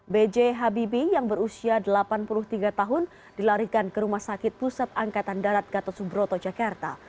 b j habibi yang berusia delapan puluh tiga tahun dilarikan ke rumah sakit pusat angkatan darat gatot subroto jakarta